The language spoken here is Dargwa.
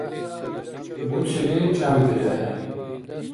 Буцили чӀямбирехӀе!